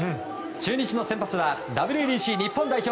中日の先発はＷＢＣ日本代表